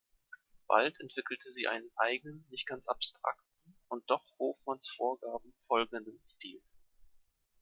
Bald entwickelte sie einen eigenen, nicht ganz abstrakten und doch Hofmanns Vorgaben folgenden Stil.